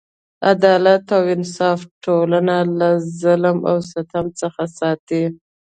عدالت او انصاف ټولنه له ظلم او ستم څخه ساتي.